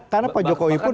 karena pak jokowi pun